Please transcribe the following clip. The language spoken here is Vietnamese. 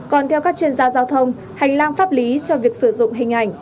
còn theo các chuyên gia giao thông hành lang pháp lý cho việc sử dụng hình ảnh